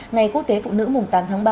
ngày quốc tế phụ nữ mùng tám tháng ba